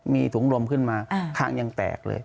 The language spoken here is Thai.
มีถุงลมขึ้นมาข้างยังแตกเลย